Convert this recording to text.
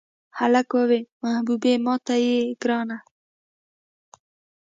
هلک ووې محبوبې ماته یې ګرانه.